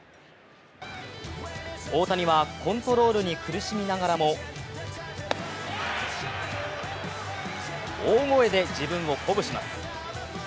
大谷は、コントロールに苦しみながらも大声で自分を鼓舞します。